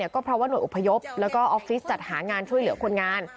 ก็เพราะว่าหน่วยอพยพแล้วก็ออฟฟิศจัดหางานช่วยเหลือคนงาน